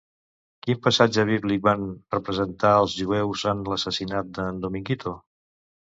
Quin passatge bíblic van representar els jueus en l'assassinat d'en Dominguito?